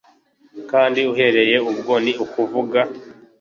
kandi uhereye ubwo ni ukuvuga